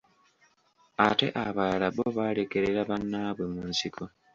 Ate abalala bo baalekerera banabwe mu nsiko.